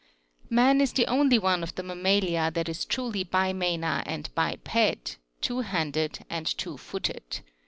7. Man is the only one of the mammalia that is truly bimana and biped (two handed, and two footed.)